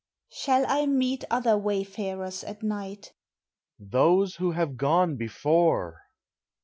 Shall I meet other wayfarers at night? Those tvho have gone before.